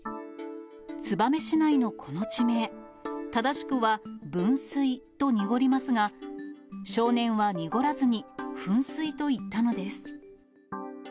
燕市内のこの地名、正しくはぶんすいと濁りますが、少年は濁らずに、ふんすいと言ったのです。